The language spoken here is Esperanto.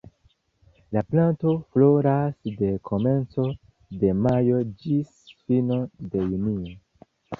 La planto floras de komenco de majo ĝis fino de junio.